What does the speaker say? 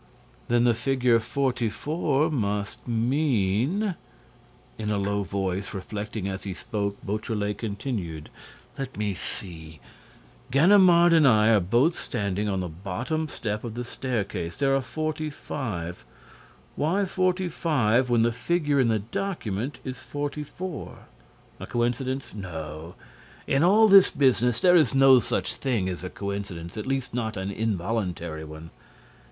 "Then the figure 44 must mean—" In a low voice, reflecting as he spoke, Beautrelet continued: "Let me see—Ganimard and I are both standing on the bottom step of the staircase—there are 45. Why 45, when the figure in the document is 44? A coincidence? No. In all this business, there is no such thing as a coincidence, at least not an involuntary one.